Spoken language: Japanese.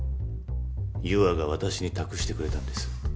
優愛が私に託してくれたんです。